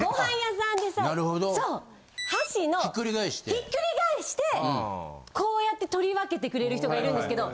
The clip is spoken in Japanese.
ひっくり返してこうやって取り分けてくれる人がいるんですけど。